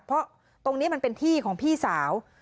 เพราะตรงนี้มันเป็นที่ของพี่สาว